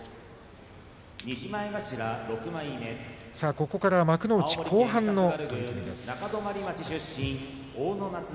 ここから幕内後半の取組です。